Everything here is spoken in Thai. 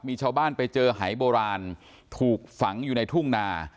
มีชาวบ้านไปเจอหายโบราณถูกฝังอยู่ในทุ่งนา